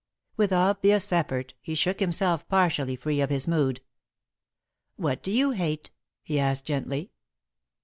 With obvious effort, he shook himself partially free of his mood. "What do you hate?" he asked, gently.